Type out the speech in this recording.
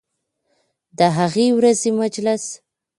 د هغې ورځې مجلس